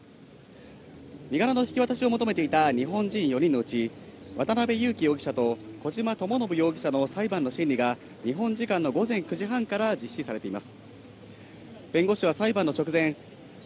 身柄の引き渡しを求めていた日本人４人のうち、渡辺優樹容疑者と、小島智信容疑者の裁判の審理が、日本時間の午前９時半から実施されています。